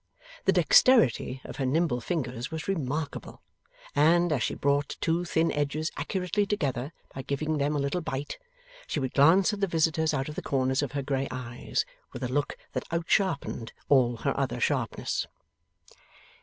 The dexterity of her nimble fingers was remarkable, and, as she brought two thin edges accurately together by giving them a little bite, she would glance at the visitors out of the corners of her grey eyes with a look that out sharpened all her other sharpness.